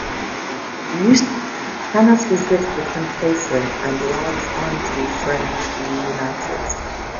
Newson cannot resist the temptation and logs on to Friends Reunited.